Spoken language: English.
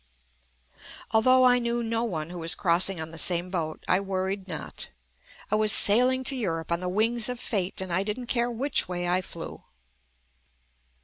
Although I knew no one who was crossing on the same boat, I worried not. I was sailing to Europe on the wings of fate and I didn't care which way I flew.